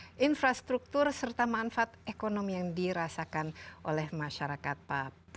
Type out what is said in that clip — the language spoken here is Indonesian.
untuk melihat peran pemerintah terhadap pembangunan infrastruktur serta manfaat ekonomi yang dirasakan oleh masyarakat papua